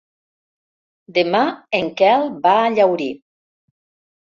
Demà en Quel va a Llaurí.